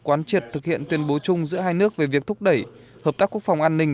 quán triệt thực hiện tuyên bố chung giữa hai nước về việc thúc đẩy hợp tác quốc phòng an ninh